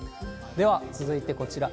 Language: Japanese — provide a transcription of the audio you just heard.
では続いてこちら。